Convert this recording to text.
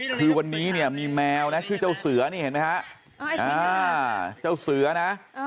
คือวันนี้เนี่ยมีแมวนะชื่อเจ้าเสือนี่เห็นไหมฮะเจ้าเสือนะ